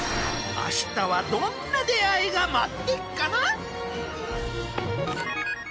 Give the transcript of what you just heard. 明日はどんな出会いが待ってっかな？